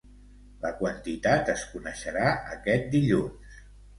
La quantitat es coneixerà aquest dilluns.